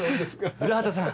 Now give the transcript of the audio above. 古畑さん。